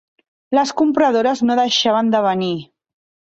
Les compradores no deixaven de venir.